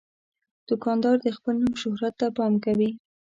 دوکاندار د خپل نوم شهرت ته پام کوي.